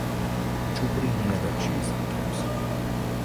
ჭუპრი ნიადაგში იზამთრებს.